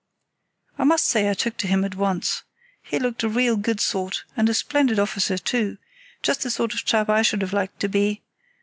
"I must say I took to him at once. He looked a real good sort, and a splendid officer, too—just the sort of chap I should have liked to be.